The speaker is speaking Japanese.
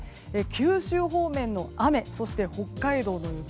九州方面の雨、そして北海道の雪